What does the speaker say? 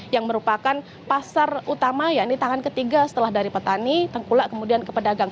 yang merupakan pasar utama ya ini tangan ketiga setelah dari petani tengkulak kemudian ke pedagang